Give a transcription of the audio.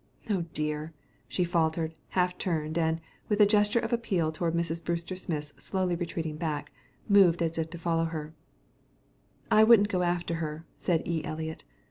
Oh, dear " she faltered, half turned, and, with a gesture of appeal toward Mrs. Brewster Smith's slowly retreating back, moved as if to follow. "I wouldn't go after her," said E. Eliot.